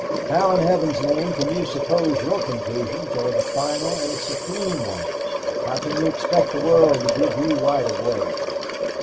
How, in heaven's name, can you suppose your conclusions are the final and supreme ones? How can you expect the world to give you right of way?